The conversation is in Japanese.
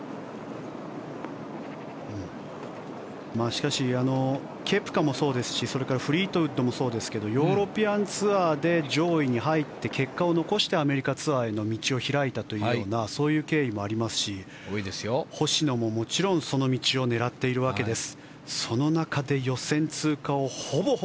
しかしケプカもそうですしフリートウッドもそうですがヨーロピアンツアーで上位に入って結果を残してアメリカツアーへの道を開いたという経緯もありますし星野ももちろんその道を狙っているわけです。